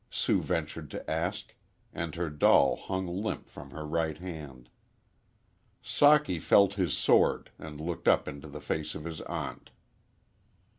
Sue ventured to ask, and her doll hung limp from her right hand. Socky felt his sword and looked up into the face of his aunt.